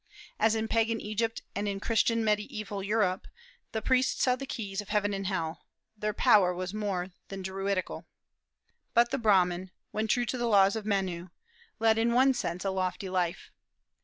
As in Pagan Egypt and in Christian mediaeval Europe, the priests held the keys of heaven and hell; their power was more than Druidical. But the Brahman, when true to the laws of Menu, led in one sense a lofty life.